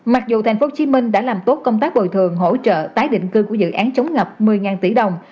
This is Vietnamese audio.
mặc dù tp hcm đã làm tốt công tác bồi thường hỗ trợ tái định cư của dự án chống ngập một mươi tỷ đồng